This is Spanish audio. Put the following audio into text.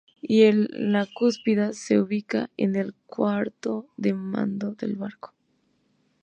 Y en la cúspide se ubica el cuarto de mando del barco.